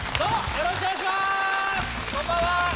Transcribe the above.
よろしくお願いします